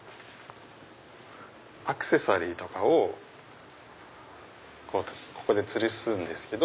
アクセサリーとかをここでつるすんですけど。